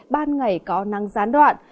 ban ngày có nắng gián đoạn